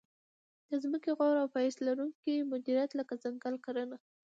د ځمکې غوره او پایښت لرونکې مدیریت لکه ځنګل کرنه.